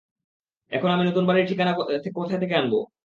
এখন আমি নতুন বাড়ির ঠিকানা কোথায় থেকে আনবো?